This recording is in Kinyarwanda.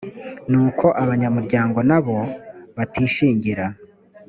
n uko abanyamuryango nabo batishingira